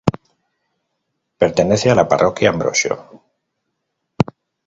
Pertenece a la parroquia Ambrosio.